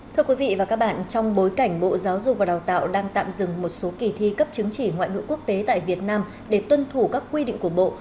thưa quý vị và các bạn trong bối cảnh bộ giáo dục và đào tạo đang tạm dừng một số kỳ thi cấp chứng chỉ ngoại ngữ quốc tế tại việt nam để tuân thủ các quy định của bộ